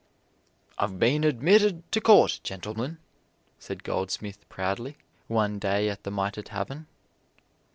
"I've been admitted to Court, gentlemen!" said Goldsmith proudly, one day at The Mitre Tavern.